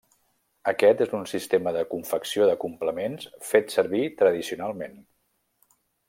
Aquest és un sistema de confecció de complements fet servir tradicionalment.